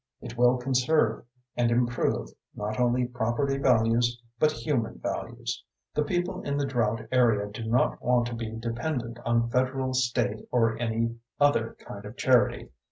It will conserve and improve not only property values, but human values. The people in the drought area do not want to be dependent on federal, state or any other kind of charity.